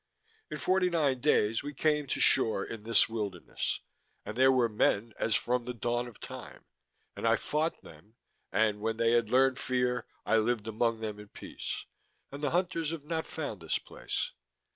_ _In forty nine days we came to shore in this wilderness, and there were men as from the dawn of time, and I fought them, and when they had learned fear, I lived among them in peace, and the Hunters have not found this place.